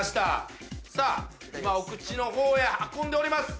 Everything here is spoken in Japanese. さあ今お口の方へ運んでおります。